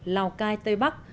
lào cai tây bắc